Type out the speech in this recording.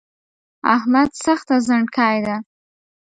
احمد سخته زڼکای ده